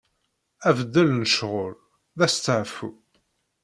Abeddel n ccɣel, d asteɛfu.